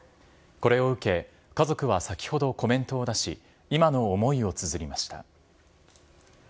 これを受け家族は先ほどコメントを出し今の思いをつづりました。